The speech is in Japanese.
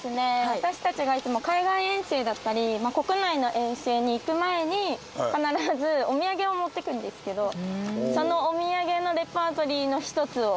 私たちがいつも海外遠征だったり国内の遠征に行く前に必ずお土産を持っていくんですけどそのお土産のレパートリーの１つを。